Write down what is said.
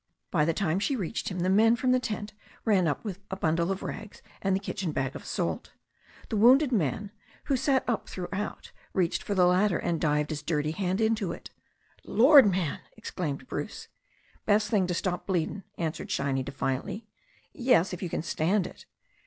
By the time she reached him the men from the tent ran up with a bundle of rags and the kitchen bag of salt. The wounded man, who had sat up throughout, reached for the latter, and dived his dirty hand into it. "Lord ! man," exclaimed Bruce. "Best thing to stop bleedin'," answered Shiny defiantly. "Yes, if you can stand it."